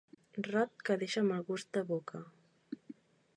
Rot que deixa mal gust de boca.